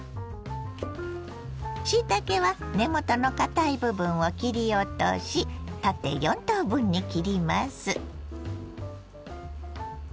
しいたけは根元の堅い部分を切り落とし縦４等分に切ります。